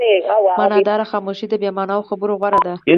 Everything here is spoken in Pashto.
معناداره خاموشي د بې معنا خبرو غوره ده.